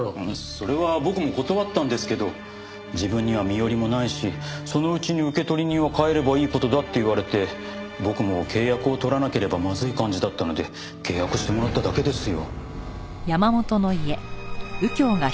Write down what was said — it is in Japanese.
それは僕も断ったんですけど自分には身寄りもないしそのうちに受取人を変えればいい事だって言われて僕も契約を取らなければまずい感じだったので契約してもらっただけですよ。